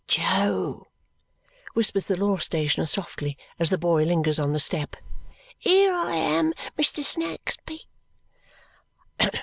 "Jo," whispers the law stationer softly as the boy lingers on the step. "Here I am, Mr. Snagsby!"